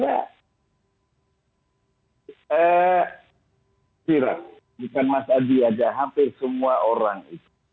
misalnya mas adi ada hampir semua orang itu